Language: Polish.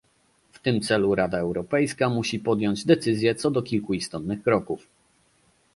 W tym celu Rada Europejska musi podjąć decyzje co do kilku istotnych kroków